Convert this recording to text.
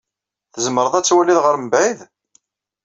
Tzemred ad twalid ɣer mebɛid?